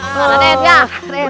udah kuat sekarang kaya